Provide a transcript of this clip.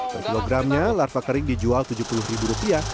per kilogramnya larva kering dijual tujuh puluh ribu rupiah